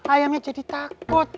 ayamnya jadi takut